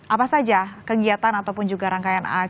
apa saja kegiatan ataupun juga rangkaian yang anda inginkan